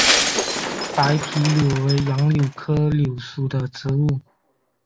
白皮柳为杨柳科柳属的植物。